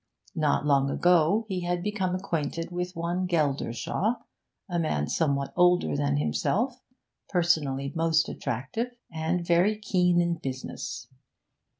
Not long ago he had become acquainted with one Geldershaw, a man somewhat older than himself, personally most attractive, and very keen in business.